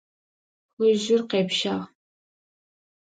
Хыжьыр къепщагъ.